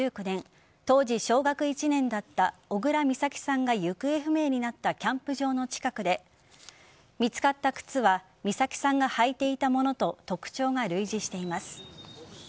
当時小学１年だった小倉美咲さんが行方不明になったキャンプ場の近くで見つかった靴は美咲さんが履いていたものと特徴が類似しています。